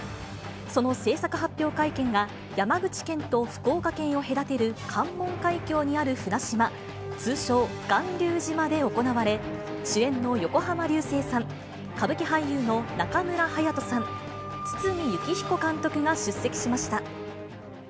その制作発表会見が山口県と福岡県を隔てる関門海峡にある船島、通称、巌流島で行われ、主演の横浜流星さん、歌舞伎俳優の中村隼人さん、堤幸彦監督が出席しました。